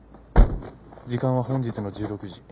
時間は本日の１６時。